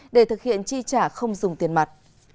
để thực hiện chi trả không dùng tiền mặt